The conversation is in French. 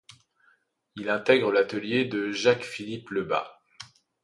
Il intègre l'atelier de Jacques-Philippe Le Bas.